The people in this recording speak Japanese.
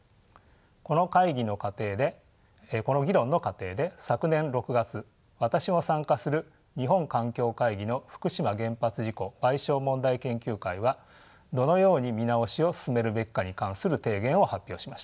この議論の過程で昨年６月私も参加する日本環境会議の福島原発事故賠償問題研究会はどのように見直しを進めるべきかに関する提言を発表しました。